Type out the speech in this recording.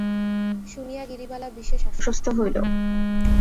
শুনিয়া গিরিবালা বিশেষ আশ্বস্ত হইল।